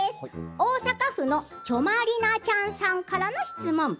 大阪府のちょまりなちゃんさんからの質問